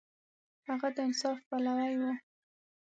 هغه د انصاف پلوی و.